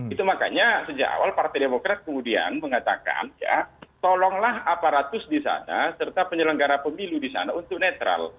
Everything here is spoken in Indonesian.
itu makanya sejak awal partai demokrat kemudian mengatakan ya tolonglah aparatus di sana serta penyelenggara pemilu di sana untuk netral